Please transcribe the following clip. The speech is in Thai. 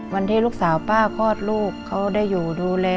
วันที่ลูกสาวป้าเขาดูแล